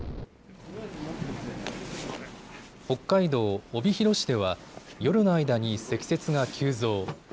北海道帯広市では夜の間に積雪が急増。